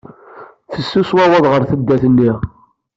Fessus wawwaḍ ɣer taddart-nni.